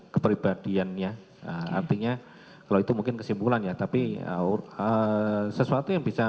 keperibadiannya artinya kalau itu mungkin kesimpulannya tapi awal sesuatu yang bisa